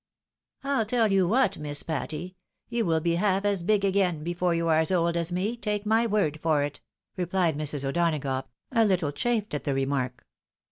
" I'll tell you what. Miss Patty, you will be half as big again before you are as old as me, take my word for it," replied Mrs. O'Donagough, a Httle chafed at the remark.